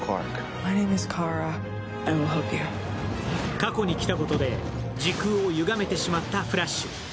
過去に来たことで時空をゆがめてしまったフラッシュ。